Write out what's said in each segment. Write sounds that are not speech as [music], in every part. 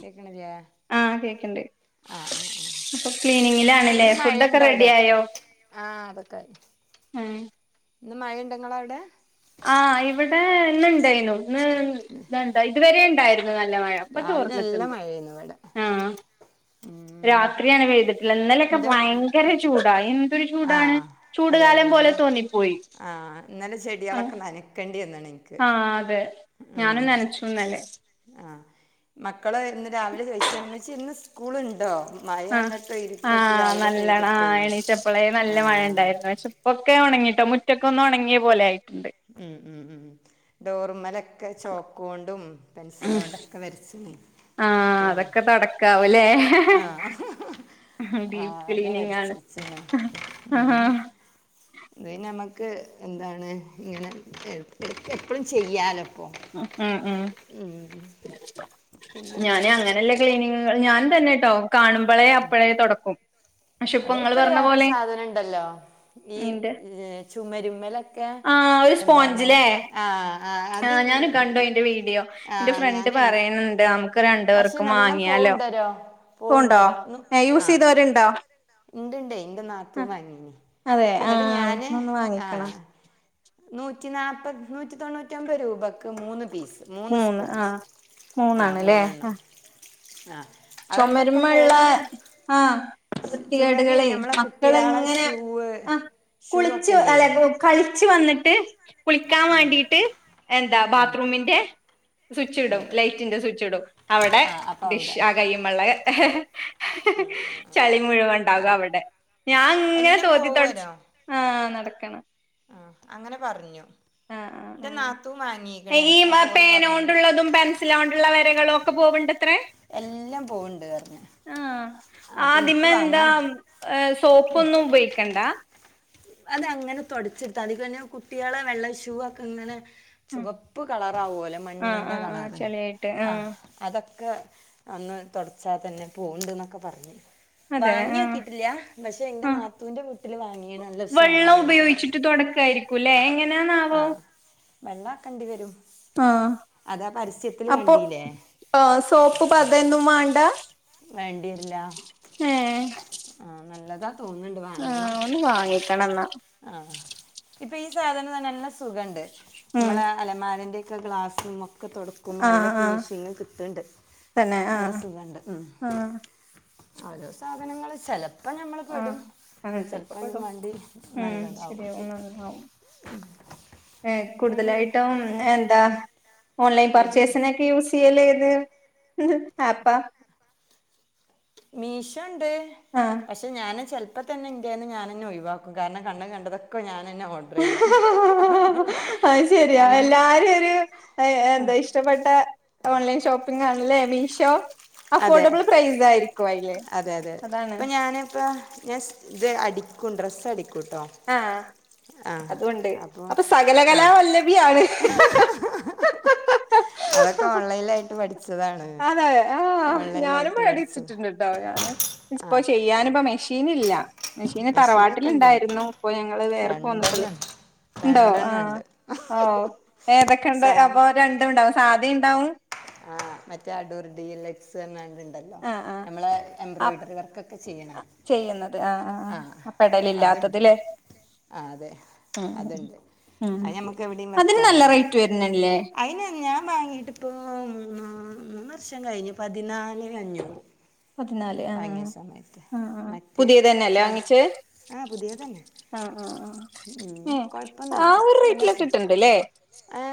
കേക്കണില്യാ ആഹ കേക്കണ്ട് ആഹ് അപ്പൊ ക്ലീനിങ്ങിലാണല്ലേ ഇന്ന് ഫുഡ് ഒക്കെ മഴയുണ്ടോ റെഡി അവിടെ ആയോ? ആഹ് അതൊക്കായി ഉം ഇന്ന് മഴുണ്ടങ്ങള അവിടെ ആഹ് ഇവിടെ ഇന്ന്ണ്ടായ്ന്നു ന്ന് [unintelligible] ഇതുവരെ ഉണ്ടായിരു അ നല്ല മഴ അപ്പൊ രാവിലെ നല്ല ചോർന്നിട്ടുണ്ട് മഴയായിരുന്നു ഇവിടെ ആഹ ഉം രാത്രിയാണ് പെയ്തിട്ടുള്ളത് ന്നലൊക്കെ എന്റെ ഭയങ്കര ചൂടായി ആഹ് അതെ അതെ ഇന്നലെ തോന്നിപ്പോയി ആഹ ഇന്നലെ ചെടികളൊക്കെ നനക്കേണ്ടി [unintelligible] ആഹ അതെ ഞാനും ഉം നനച്ചുന്നലെ ആഹ് മക്കള് ഇന്ന് രാവിലെ ചോയ്ചെണ് മ്മച്ചീ ന്ന് സ്കൂളുണ്ടോ? മഴ ആ അങ്ങട്ട് ഇരുട്ടത്ത് ആഹ് രാവിലെ നല്ലണം ആ പെയ്തിട്ടേ എണീച്ചപ്പളേ നല്ല ആഹ് മഴണ്ടായിരുന്നു പക്ഷെ പ്പൊക്കെ ഉണങ്ങി ട്ടൊ മുറ്റക്ക ഒന്നുണങ്ങ്യപോലെ ആയി ഉം ഉം ഉം ഡോർമലൊക്കെ ചോക്കോ ണ്ടും പെൻസിലോണ്ടൊക്കെ വരച്ച് ആഹ അതൊക്കെ തൊടക്കാവുലെ. ആഹ് ഉം ഹും ഡീപ് ആകെ ക്ലീനിങ് ആണ് വരച്ചച്ച്ണ് ആഹ് അ ഹാ അത് നമ്മക്ക് എന്താണ് ങ്ങനെ എടക്ക് എപ്പഴും ചെയ്യാലോ ഉ ഉംഉം പിന്നെന്താ ഞാന് അങ്ങനല്ല [unintelligible] നിങ്ങൾ ഞാൻ തന്നെ ട്ടോ കാണുമ്പളേ അപ്പഴേ തൊടക്കും പക്ഷെ ഇപ്പൊ അതെ ഇങ്ങള് ഇപ്പര് പറഞ്ഞ വേറരു പോലെ സാധനുണ്ടല്ലോ ഈ നിന്റെ ചുമരുമ്മലൊക്കെ ആ ഒരു എന്താണ് സ്പോഞ്ച്ലേ ആഹ ആ ആ ഞാനും കണ്ടു അയ്‌ന്റെ വീഡിയോ ന്റെ ആഹ് ഫ്രണ്ട് ഞാന് പറയ്ണണ്ട് അമുക്ക് രണ്ട് പക്ഷെ പേർക്കും നല്ല വാങ്ങിയാലോ പോവുണ്ടരോ പോണ്ടോ പോവുണ്ടരോ ഏ യൂസ് ചെയ്തോര്ണ്ടോ? ണ്ട്ണ്ട് ഇന്റെ നാത്തൂൻ വാങ്ങീന് അതെ ആ ന്നിട്ട് ഞാന് ഒന്ന് വാങ്ങിക്കണം ആഹ് നൂറ്റി നാല്പ്പത് നൂറ്റി തൊണ്ണൂറ്റി ഒമ്പത് രൂപയ്ക്ക് മൂന്ന് പീസ്. മൂന്ന് ആഹ മൂന്നാണ്ല്ലേ ആ ആഹ് ചുമരമുള്ള ആഹ ചുമര് വൃത്തികേടുകളെ ഞമ്മളെ കുട്ടിയാളെ മക്കളെങ്ങനെ ഷൂവ് ആ ഷൂ ഒക്കെ കുളിച്ചു ഇല്ലേ അല്ല കളിച്ചു വന്നിട്ട് ട്ട് കുളിക്കാൻ വാണ്ടീട്ട് എന്താ ആ ബാത്റൂമിന്റെ സ്വിച്ച് ഇടും ലൈറ്റിന്റെ സ്വിച്ച് ഇടും അവിടെ ആ അപ്പൊ ഡിഷ് അവിടെ ആ കയ്യ്മ്മള്ളെ ഹ് ഹ് ഹ് ഹ് ഹ് ചളി മുഴുവണ്ടാകും അവിടെ ഞാൻ ങ്ങനെ എല്ലാം തോത്തിത്തൊട്ച്ച് പോവരോ ആഹ നടക്കണം. ആ അങ്ങനെ പറഞ്ഞു. ആഹ ആഹ എന്റെ നാത്തൂൻ ആഹ വാങ്ങീക്കണ് ഈ മ അപ്പോ ഓള് പറഞ്ഞു പേനോണ്ടുള്ളതും പെൻസിലോ ണ്ടുള്ള വരകളോ ക്കെ പോവണ്ടത്രേ എല്ലാം പോവണ്ട് പറഞ്ഞു ആഹ് അപ്പൊ എനിക്ക് ആദ്യമേ എന്താ വാങ്ങാൻ സോപ്പൊന്നും ഉപയോഗിക്കണ്ടാ അത് അങ്ങനെ തുടച്ചിടുത്താതി പിന്നെ കുട്ടികളെ വെള്ള ഷൂ ഒക്കെ ഇങ്ങനെ ചുവപ്പ് കളറാവോലൊ ആഹ് മണ്ണിന്റെ ആഹ് ആഹ് കളറ് ചെളിയായിട്ട് ആ ആഹ് അതൊ ക്കെ അന്ന് തുടച്ചാ തന്നെ പോവുണ്ട് ന്നൊക്കെ പറഞ് അതെ ആഹ് വാങ്ങിയോക്കിട്ടില്ല പക്ഷെ ന്റെ ആഹ് നാത്തൂന്റെ വീട്ടില് വാങ്ങിയാണ് നല്ല വെള്ളം ഉഷാറാണെന്നൊക്കെ പറഞ്ഞു ഉപയോഗിച്ചിട്ട് തൊടക്കായിരിക്കൂല്ലേ എങ്ങനാന്നാവോ? ആ വെള്ളം കണ്ടി വരും ആഹ് അതാ പരസ്യത്തിൽ അപ്പൊ കണ്ടില്ലേ ആ സോപ്പ് പതൊന്നും വേണ്ടാ? വേണ്ടിയരില്ലാ ആ നല്ല ആഹ് ഒന്ന് വാങ്ങിക്കണന്നാ. ആഹ് ഇപ്പൊ ഈ സാധനം തന്നെല്ല സുഖണ്ട് ഉം നമ്മളെ അലമാരീന്റെ ഒക്കെ ഗ്ലാസ്സും ഒക്കെ ഒക്കെ തുടക്കുമ്പോ നല്ല ആഹ് ആഹ് ഫിനിഷിങ് കിട്ടിണ്ട് തന്നെ നല്ല ആഹ് സുഖുണ്ട്. ആഹ്. ആരോ സാധനങ്ങള് ചെലപ്പോ ഞമ്മൾ ആഹ് പെടും അങ്ങനെ ചെലപ്പോ [unintelligible] പെടും മാണ്ടി ഉം ശരിയാകും [unintelligible] ഏ എനിക്കാണെങ്കിൽ കൂടുതലായിട്ടും എന്താ ഓൺലൈൻ പൊടി പിടിച്ച് പർച്ചേസിനൊക്കെ യൂസ് ചെയ്യല് ഏത് ആപ്പാ? മീശോണ്ട് ആഹ് പക്ഷെ ഞാന് ചെൽ പ്പം തന്നെ ഇൻ്റെന്ന് ഞാനന്നൊഴവാക്കും കാരണം കണ്ണ് കണ്ടതൊക്കെ ഞാനെന്നെ ഓർഡർ ചെയ്യും. അത് ശരിയാ ഞമ്മ എല്ലാരും ഒരു എന്താ ഇഷ്ടപ്പെട്ട ഓൺലൈൻ ഷോപ്പിംഗാണല്ലേ. മീഷോ അതെ അഫോർഡബിൾ പ്രൈസായ്രിക്കും. അതെ അതെ ഇപ്പൊ ഞാനിപ്പ ഞാൻ ഇത് അടിക്കും ഡ്രസ് ആഹ് അതു ഒണ്ട് അപ്പോൾ അപ്പൊ ആ സകലകലാ വല്ലഭിയാണ്. അതൊക്കെ ഓൺലൈനിലായിട്ട് പഠിച്ചതാണ് അതെ ആഹ് ഞാനും ഓൺലൈനിലായിട്ട് പഠിച്ചത് പഠിച്ചിട്ടുണ്ട് ട്ടോ ഞാന് ആ ഇപ്പൊ ചെയ്യാന് ഇപ്പോ മെഷീനില്ല. മെഷീന് മെഷീനൊക്കെ ഉണ്ട് എനിക്ക് തറവാട്ടിലിണ്ടായിരുന്നു ഇപ്പൊ ഞങ്ങള് വേറെ പോന്നപ്പള് രണ്ടെണ്ണം ഉണ്ട് ഉണ്ടോ രണ്ടെണ്ണം ആഹ് ഉണ്ട് ഓഹ് ഏതൊ ക്ക്ണ്ട് സാ അപ്പൊ രണ്ടും ഇണ്ടാവും സാധീണ്ടാവും ആഹ് മറ്റേ അടൂർ ഡി ലക്സ ണ്ടല്ലോ ആഹ് ആഹ് നമ്മള അപ് എംബ്രോയ്ഡറി വർക്കൊക്കെ ചെയ്യണേ ചെയ്യുന്നത് ആ ആ പെടല് ഇല്ലാത്തത് ലേ? ആഹ് അതെ അതിണ്ട്. ഉം അത് നമ്മക്ക് എവിടെയും അതിന് നല്ല വെക്കാലോ. റേറ്റ് വരുന്നില്ലേ അയിന് ഞാൻ വാങ്ങീട്ട് ഇപ്പോ, മൂന്ന മൂന്ന് വർഷം കയിഞ്ഞു പതിനാലേ അഞ്ഞൂറ്. പതിനാല് ആഹ് ബാംഗിയ സമയത്ത് ആഹ് ആഹ് ആഹ് മറ്റ് പുതിയത് തന്നെയല്ലേ സ വാങ്ങിച്ചേ ആഹ് പുതിയന്നെ ആഹ് ആഹ് ആഹ്. ആ ഒരു നല്ല റേറ്റിലൊക്കെ രസ കിട്ടിണ്ട്ല്ലേ? ഏ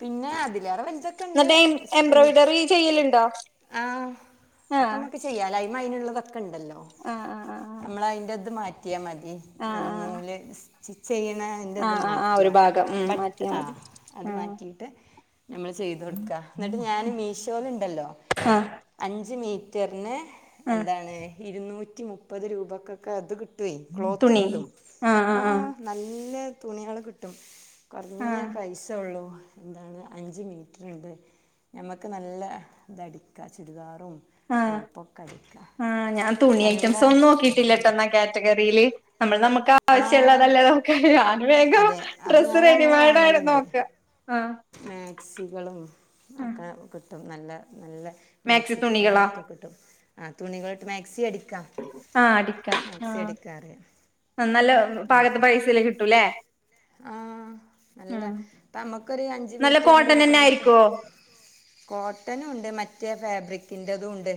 പിന്നെ അതി എന്നിട്ട് എംബ്രോയ്ഡറി ചെയ്യലിണ്ടോ? ആഹ് അക്കമ്മക്ക് ചെയ്യാ [unintelligible] നുള്ളതൊ- ക്കണ്ടല്ലോ ആഹ് ആഹ് ആഹ് നമ്മൾ അയ്ന്റെത് മാറ്റിയാ മതി ആഹ് ആഹ് ആഹ് നൂല് ചെയ്യണതിൻ്റെത് ആഹ് ആഹ് ആഹ് മാറ്റിയ ഒരു ഭാഗം ഉം ബട്ട് മാറ്റിയാ ആ മതി അത് ആഹ് മാറ്റീട്ട് നമ്മൾ ചെയ്തൊട്ക്ക. എന്നിട്ട് ഞാൻ മീഷോലിണ്ടല്ലോ ആഹ് അഞ്ച് മീറ്ററിന് ആഹ് എന്താണ് ഇരുന്നൂറ്റി മുപ്പത് രൂപക്കൊക്കെ അത് കിട്ടും. കിട്ട്വേ ക്ലോത്ത് തുണി കിട്ടും ആഹ് ആ ആഹ് നല്ല തുണികള് കിട്ടും. ആഹ് കുറഞ്ഞ ആഹ് പൈസ ഉള്ളൂ. എന്താണ് അഞ്ച് മീറ്ററിണ്ട് നമക്ക് നല്ലതടിക്ക ചുരിദാർ ആഹ് ആഹ് ഞാൻ തുണി ഐറ്റംസ് നല്ല ഒന്നും നോക്കിട്ടില്ലാട്ടന്നാ കാറ്റഗറില്. നമ്മൾ നമുക്ക് ആഹ് ആവശിള്ളതല്ലേ നോക്ക ഞാൻ വേഗം അതെ അപ്പൊ ഡ്രസ്സ് ഞാൻ അങ്ങനെ റെഡിമെയ്ഡാ വാങ്ങലുണ്ട് നോക്ക ആ. മാക്സികളും ആഹ് ഒക്കെ കിട്ടും നല്ല നല്ല മാക്സി തുണികളൊക്കെ കിട്ടും. ആ തുണികളിട്ട് മാക്സി അടി ആ അടിക്കാം അടിക്കാറിയാം ആ നല്ല പാകത്തെ അടിക്കാം പൈ സെല് കിട്ടൂല്ലേ ആഹ് നല്ല ആഹ് നമുക്കൊരു അഞ്ച് നല്ല മീറ്ററിന്റെ കോട്ടൺ ഒരു തന്നെ തുണി എടുത്ത് ആയിരിക്കുവോ കോട്ടനുണ്ട് മറ്റേ ഫാബ്രിക് ൻ്റെതുംണ്ട്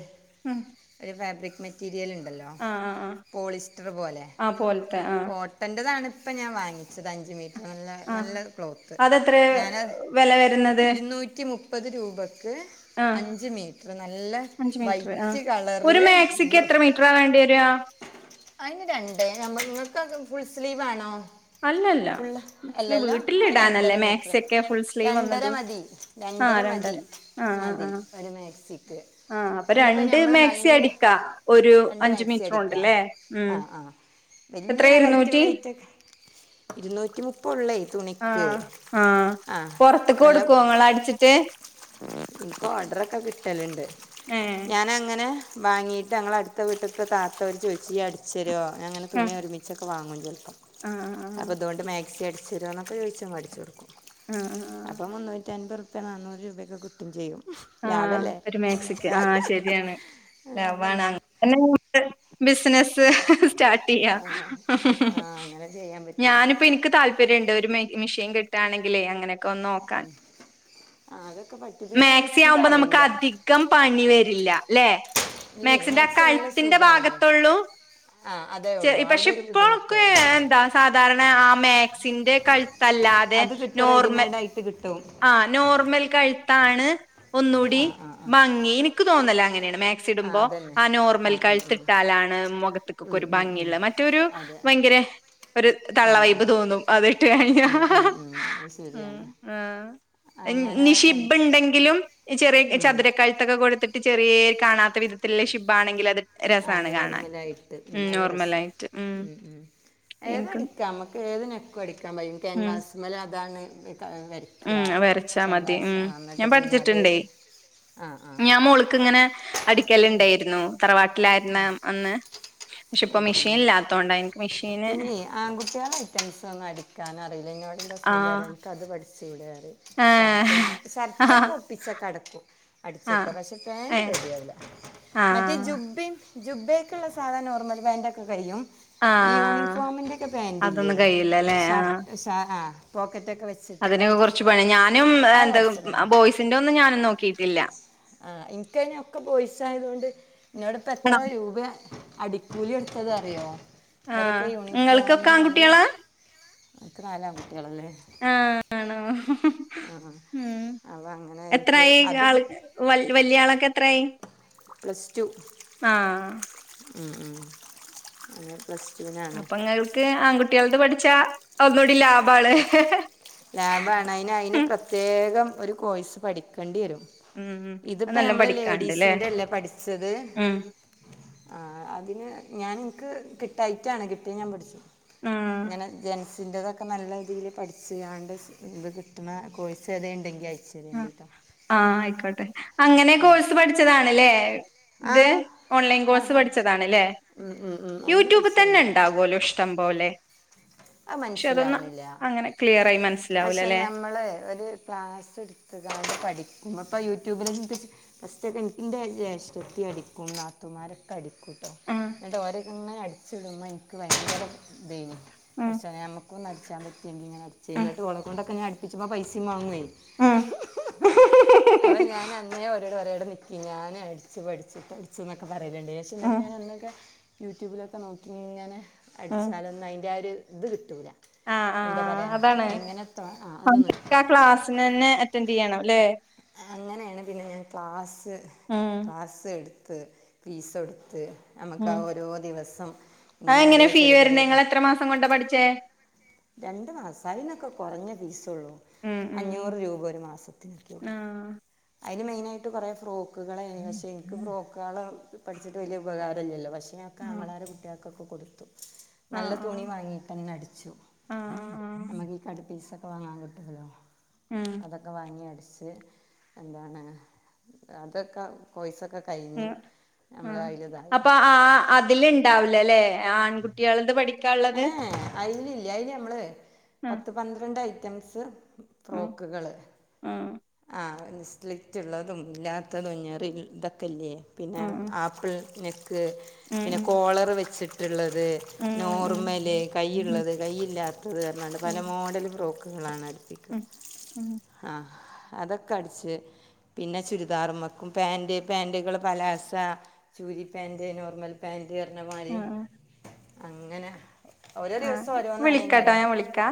ഉം ഒരു ഫാബ്രിക് മെറ്റീരിയൽ ഉണ്ട്. ണ്ടല്ലോ ആഹ് ആഹ് ആഹ് പോളിസ്റ്റർ പോലെ ആ പോലത്തെ ആഹ് കോട്ടൻ്റതാണ് ഇപ്പ ഞാൻ വാങ്ങി ച്ചതഞ്ച് മീറ്ററ് നല്ല ആഹ് നല്ല ക്ലോത്ത് അതെത്ര ഞനത് വെല വരുന്നത് ഇര്ന്നൂറ്റി മു മുപ്പത് രൂപ ക്ക് ആഹ് അഞ്ച് മീറ്ററ് നല്ല അഞ്ച് മീറ്റർ വൈറ്റ് ആഹ് ഒരു കളർല് മാക്സിക്ക് ബ്ലു എത്ര മീറ്ററാ വേണ്ടി രാ അയ്ന് രണ്ടേ ന ഇങ്ങക്ക് ഫുൾ സ്ലീവ് ആണോ അല്ലല്ല ഫുള് ഫുൾ സ്ലീവ് അല്ലല്ലോ വീട്ടിലിടാനല്ലേ രണ്ടര മാക്സി മീറ്ററ് ഒക്കെ ഫുൾ സ്ലീവ് രണ്ടര ഒന്നിടും മതി ആ രണ്ടര മതി ആ ആ ആ മതി ഒരു മേക്സിക് ആ അപ്പൊ ഇനിയിപ്പോ രണ്ട് ഞമ്മള് മാക്സി നല്ല അടിക്കാ ഒരു രണ്ട് അഞ്ചു മാക്സി മീറ്റർ അടിക്കാ കൊണ്ടല്ലേ ഉം ആ ആ എത്ര വല്യയ ഹൈറ്റും ഇരുന്നൂറ്റി വൈറ്റ ക്കെ ഇരുന്നൂറ്റി മുപ്പെള്ളെ ആ ആ പൊർത്ത്ക്ക് നല്ല കൊടുക്കേ ഇങ്ങള അടിച്ചിട്ട് ട്ടല്ണ്ട് ഏ ഞാനങ്ങനെ വാങ്ങയിട്ട് ഞങ്ങള് അടുത്ത വീട്ട്ത്തെ താത്ത ഓര് ചോയ്ച്ച് ഇയ്യ്അടിച്ച് രോ ഞാ ഇങ്ങനെ ആ തുണിഒരുമിച്ചൊക്കെ വാങ്ങും ആ അപ്പം ആ തോണ്ട് മാക്സി അടച്ച് തരോ ന്നൊക്കെ ചോയിച്ചും അടിച്ച് കൊട്ക്കും ആ ആ അപ്പം മുന്നൂറ്റി അൻമ്പ ർപ്യ നാന്നൂറ് രൂപയൊക്കെ കിട്ടും ചെയ്യും ആ ലാഭല്ലേ ഒരു മേക്സിക്ക് ആ ശരിയാണ് ലാബാണ് ലാഭല്ലേ അങ്ങനെ കൂടുതൽ ബി സ്നസ് സ്റ്റാട്ട്ചെയ്യാം ആ ആ അങ്ങനെ ചെയ്യാൻ പറ്റും ഞാനിപ്പോ ഇൻക്ക് താല്പര്യ ണ്ട് ഒരു മെഷീൻ കിട്ടായാണെങ്കിലേ അങ്ങനെയൊക്കെ ഒന്ന് നോക്കാൻ ആത് മാക്സി ആവുമ്പോ നമുക്ക് അധികം പണി വരില്ല ല്ലെ ഇല്ലേ മാക്സിന്റെ മാക്സി എല്ലാം കഴുത്തിന്റെ സുഖമാണ് ഭാഗത്തൊള്ളൂ ആ അതേ ഉള്ളൂ പക്ഷെ അവിടെ ഒരു ഇപ്പോഴൊക്കെ ബുദ്ധിമുട്ടുള്ളൂ എന്താ സാധാരണ ആ മാക്സിന്റെ കഴു തല്ലാതെ അത് കിട്ടും നോർമൽ റെഡിമെയ്ഡ് ആയിട്ട് കിട്ടും ആ നോർമൽ കഴുത്താണ് ഒന്നുകൂടി ആ ആ ആ ഭങ്ങി എനിക്ക് തോന്നല ങ്ങനെ ണ് മാക് ആ ഇടുമ്പോ അതന്നെ ആ നോർമൽ ആ ആ കഴുത്ത് ട്ടാലാണ് മുഖത്ത്ക്കൊക്കെ ഉം, ഒരു ഉം, ഉം. ഭംഗിള്ള മറ്റൊരു അതെ ഭയങ്കര ഒരു തള്ളവയ്പ് തോന്നും അത് ഇട്ട് കഴിഞ്ഞാ ഉം, ഉം, ഉം. അത് ശരിയാണ് ആ അങ്ങനെ ഇഞ്ഞ് ശിപ്പ്ണ്ടെങ്കിലും ചെറിയ ഉം. ചതുര കഴുത്തൊക്കെ കൊടുത്തിട്ട് ചെറെ കാണാത്ത വിധത്തില്ല ഷിബാണെങ്കിലത് ആ നോർമലായിട്ട് ഉം അതാ രസം ഉം ഉം ഏതും എനിക്ക് അടിക്കാ ഞമ്മക്ക് ഏത് നക്കും അടിക്കാൻ പയും ഉം ക്യാൻവാസ് മല് അതാണ് ഉം വരക്കാ വരച്ചാ മതി കേൻവാസ് ഉം ഞാൻ ന്നട്ട് പിന്നെ അത് പഠിച്ചിട്ടുണ്ടേ ആ ഞാൻ മോൾക്ക് ആ ഇങ്ങനെ അടിക്കല് ണ്ടേയിരുന്നു തറവാട്ടിലായിരുന്ന അന്ന് പക്ഷെ ഇപ്പ മെഷീല്ലാത്തോ പിന്നെ ആൺകുട്ട്യോളെ ഐറ്റംസ് ഒന്നും അടിക്കാൻ അറീല്ല ഇന്നോട് ഇന്റെ ആ ഹസ്ബൻഡ് പറിം അൻ ക്ക് അത് പടി ചൂടെ ത് ഏ ഷർട്ടും ആ ഷർട്ടൊക്കെ ഒപ്പിച്ചൊക്കെ അടക്കും ആ അടിച്ചു ട്ടോ പക്ഷേ ഏ പാൻറ് റെഡിയാവൂല്ല ആ മറ്റേ ജുബ്ബ ജുബ്ബേ ക്ക്ള്ള സാധാ നേർമ്മൽ ഫേന്റെക്കെ കഴിയും ആ ഈ യൂണിഫോമിന്റെക്കെ പാൻറ്ല്ലേ അതൊന്നും കഴിയില്ലല്ലേ ആ ഷർ ഷാ ആ പോക്കറ്റ്ക്കെ വെച്ച് അതിനൊക്കെ കൊർച്ച് പണിഞാനും പണി എന്താ ബോയ്സിന്റെ ഒന്നും ഞാനും നോക്കിട്ടില്ല ആ ഇൻക്ക് അയിന് ഒക്കെ ബോയ്സ് ആയതോണ്ട് ഇന്നോട് പ്പം എത്ര രൂപാ അടിക്കൂലി എടുത്തത് അറിയോ ആ ഇവരൊക്കെ ഇങ്ങൾക്കൊക്കെ ആൺകുട്ടിയാളാ അൻ ക്ക് നാലാ കുട്ടിയാളല്ലേ ആണോ ഉം എനിക്ക് എത്രായി അത് ആൾ വലിയ ആൾക്കെ എത്രായി? Plus two. ആ ഉ ഉം [inaudible] അപ്പൊ ഇങ്ങൾക്ക് ആൺകുട്ടോ ൾത്പഠിച്ചാ ഒന്നൂടിലാ ലഭാണ് അയ്ന് അയിന് പ്രത്യേകം ഒര് കോഴ്സ് പഠിക്കണ്ടി വരും ഉം ഇത് പ്പം നല്ലോം ഞമ്മള് പഠിക്കാണ്ട്ല്ലേ ലേഡീസിന്റെ ല്ലേ പഠിച്ചത് ഉം ആ അത് പിന്നെ ഞാൻ ഇൻക്ക് കിട്ടായ്റ്റാണ് കിട്ടിയാ ഞാൻ പഠിച്ചും ആഹ് ഇങ്ങനെ ജെൻസ് ഇതിന്റെ തൊക്കെ നല്ല ഇതീല് പഠിച്ച് കാണ്ട് ഇത്കിട്ട്ണകോഴ്സ് ഏതേ ണ്ടെങ്കി ആയിക്ക് ആ ആയിക്കോട്ടെ അങ്ങനെ കോഴ്സ് പഠിച്ചതാണ് ല്ലേ. ആ ഇത് ഓൺലൈൻ കോഴ്സ് ആഹാ പഠിച്ചതാണ് ല്ലേ. ഉം ഉം ഉം. അങ്ങനെ യൂട്യൂബ് തന്നെ പഠിച്ചതുകൊണ്ട് ഉണ്ടാകല്ലോ ഇഷ്ടം പോലെ. അത് പക്ഷെ അതൊന്ന് മനസ്സിലാവണില്ല അങ്ങനെ ക്ലിയറായി മൻ പക്ഷെ ഞമ്മള് ഒരു ക്ലാസ് സ്ട്ത്ത്ക്കാട്ട് പഠിക്കുമ്പം ഇപ്പം യൂട്യൂബില് [unintelligible] ഫസ്റ്റ്ക്കെ ഇൻ ഇൻ്റെ ജേഷ്ടത്തി അടിക്കും. നാത്തുമാരൊക്കെ അടിക്കൂട്ടോ. ആഹ് ഇന്നട്ട് ഓരക്കെ ഇങ്ങനെ അടിച്ചിടുമ്പം ഇൻക്ക് ഭയങ്കര ഇതേനി. ആഹ് പടച്ചോനേ നമുക്കും ഒന്ന് അട്ച്ചാൻ പറ്റിയെങ്കിങ്ങനെ അടിച്ചേനി ആഹ് ഇന്നട്ട് ഓളക്കൊണ്ടൊക്കെ ഞാൻ അടുപ്പിച്ചുംമ്പം പൈസിം മാങ്ങുവേ. ആഹ് അവ ഞാൻ അന്നേ ഓരോട് പറയാ ടെ നിക്കി ഞാൻ അടിച്ച് പഠിച്ചിട്ടടിച്ചും എന്നൊക്ക പറയലണ്ട് പക്ഷെ ഉം ഞാൻ അന്നൊക്കെ യൂട്യൂബിലൊ ക്കെ നോക്കി ഇങ്ങനെ ഉം അടിച്ചാലൊന്നും അയിൻ്റെ ആ ഒരു ഇത് കിട്ടൂല്ല. എന്താ പറയാ അണ്. [unintelligible] ക്ലാസ് നെന്നെ അറ്റൻഡ് ചെയ്യണം ല്ലെ. അങ്ങനേണ് പിന്നെ ഞാൻ ക്ലാസ് ഉം ക്ലാസ് എടുത്ത് ഫീസൊടുത്ത് ഉം ഇങ്ങനെ ഓരോ അഎങ്ങനെ ഫീ ചെറിയ വര്ണേ ചെറിയ ക- നിങ്ങള് എത്ര മാസം കൊണ്ടാ പഠിച്ചേ? രണ്ട് മാസാ. അയിനൊക്കെ കൊറഞ്ഞ ഫീസൊള്ളൂ. ഉം അഞ്ഞൂറ് രൂപ ഒരു മാസത്തിന് അത്രയൊള്ളൂ. ആഹ്. അയില് മെയിനായിട്ട് കൊറെ ഫ്രോക്കുകളേനി. പക്ഷേ ഇൻക്ക് ഫ്രോക്കേൾ പഠിച്ചിട്ട് വലിയ ഉപകാരല്ലല്ലോ പക്ഷേ പിന്ന അ ഒക്കെ ആങ്ങളാരെ കുട്ടികൾക്കൊക്കെ കൊടുത്തു ആഹ് നല്ല ആഹ് തുണി വാങ്ങിട്ടന്നെ അടിച്ചു. ആഹ് ആഹ് ആഹ് ആഹ് നമുക്ക് ഈ കട് പീസ് ഒക്കെ വാങ്ങാൻ കിട്ടൊല്ലോ ഉം അതൊക്കെ വാങ്ങി അടി ച്ച് എന്താണ് അതൊക്കെ കോഴ്സൊക്ക ഉ ആഹ് അപ്പൊ ആ അതില് ഇണ്ടാവി ല്ല ലേ ആൺകുട്ടിയേൾത് പഠി ഏഹേ അയില് ഇല്ല്യ. അയില് നമ്മള് ആഹ് പത്ത് പന്ത്രണ്ട് ഐറ്റംസ് ആഹ് ഫ്രോക്കുകള്. ആഹ് ആഹ് സ്ലിറ്റ് ഇള്ളതും ഇല്ലാത്തതും ഞറി ഇതൊക്കെല്ലേ പിന്നെ ആഹ് ആപ്പിൾ നെ ക്ക് ഉം പിന്നെ കോളറ് വെച്ചിട്ട്ള്ളത് ഉം ഉം ഉം മുറുമൽ, കൈയ്ള്ളത്, കൈയില്ലാത്തത് പറഞ്ഞാണ്ട് പല ഉം മോഡൽ ഫ്രോക്കുകളാണ് ത്. ഉം ഉം ഉം [unintelligible] ആഹ് അതൊക്കെ അടിച്ച് പിന്നെ ചുരിദാറ്മ്മക്കും പാൻറ് പാൻറുകൾ പലാസ ചു രി പേൻ്റ്, നോർമൽ പേൻ്റ് പറഞ്ഞ മാരി ആഹ് അങ്ങനെ ഓരോ ദിവസം ആഹ് വിളിക്കാട്ടോ ഓരോന്നാണെക്കാരം ഞാൻ വിളിക്കാ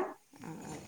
ആഹ്